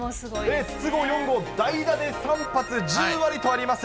筒香、４号代打で３発１０割とあります。